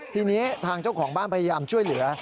ทีนี้ทางเจ้าของบ้านพยายามช่วยเหลือ